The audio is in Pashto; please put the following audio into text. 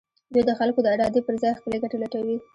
دوی د خلکو د ارادې پر ځای خپلې ګټې لټوي.